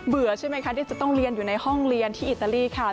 ใช่ไหมคะที่จะต้องเรียนอยู่ในห้องเรียนที่อิตาลีค่ะ